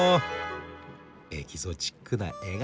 エキゾチックな笑顔。